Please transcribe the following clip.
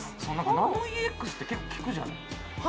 ナノイーＸって結構聞くじゃないですか